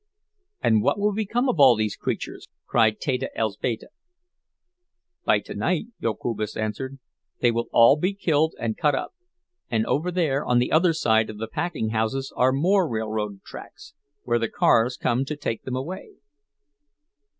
"And what will become of all these creatures?" cried Teta Elzbieta. "By tonight," Jokubas answered, "they will all be killed and cut up; and over there on the other side of the packing houses are more railroad tracks, where the cars come to take them away."